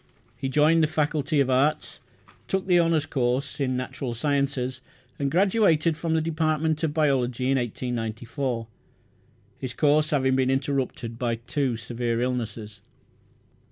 He joined the Faculty of Arts, took the honours course in natural sciences, and graduated from the department of biology in 1894, his course having been interrupted by two severe illnesses.